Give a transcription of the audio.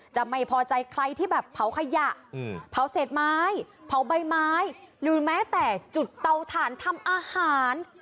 จะไม่พอใจใครที่แบบเผาขยะเผาเศษไม้เผาใบไม้หรือแม้แต่จุดเตาถ่านทำอาหาร